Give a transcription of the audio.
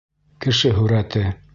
Кеше һүрәте.